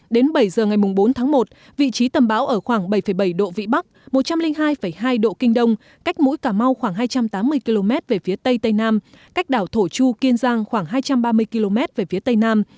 đến bảy giờ ngày bốn tháng một vị trí tầm bão ở khoảng bảy bảy độ vĩ bắc một trăm linh hai hai độ kinh đông cách mũi cà mau khoảng hai trăm tám mươi km về phía tây tây nam cách đảo thổ chu kiên giang khoảng hai trăm ba mươi km về phía tây nam